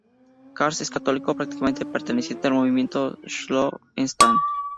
Kast es católico practicante, perteneciente al Movimiento Schoenstatt.